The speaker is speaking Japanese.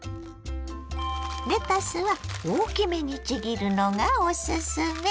レタスは大きめにちぎるのがおすすめ。